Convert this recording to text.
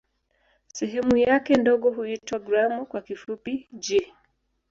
Sehemu yake ndogo huitwa "gramu" kwa kifupi "g".